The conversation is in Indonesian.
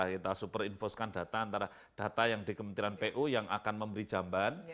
kita super infostkan data antara data yang di kementerian pu yang akan memberi jamban